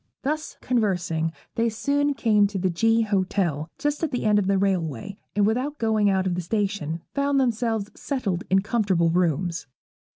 Thus conversing, they soon came to the G Hotel just at the end of the railway, and without going out of the station found themselves settled in comfortable rooms.